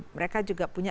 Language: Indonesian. mereka juga punya